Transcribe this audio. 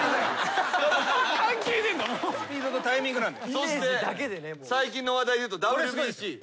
そして最近の話題でいうとＷＢＣ。